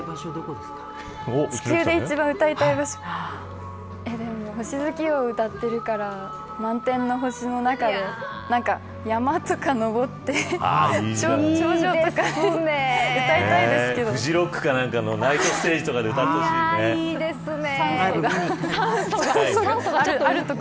地球で一番歌いたい場所でも、星月夜を歌ってるから満天の星の中で山とか登って頂上とかで歌いたいですけどフジロックのナイトステージとかで歌ってほしいですね。